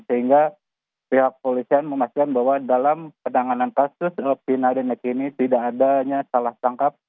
sehingga pihak polisi memastikan bahwa dalam penanganan kasus pinarin nekini tidak adanya salah tangkap